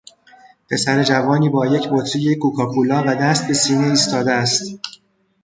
پسر جوانی با یک بطری کوکاکولا و دست به سینه ایستاده است.